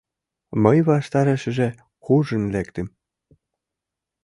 Мый ваштарешыже куржын лектым.